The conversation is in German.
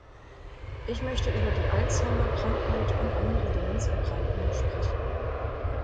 Ich möchte über die Alzheimer-Krankheit und andere Demenzerkrankungen sprechen.